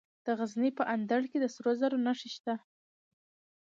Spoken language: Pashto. د غزني په اندړ کې د سرو زرو نښې شته.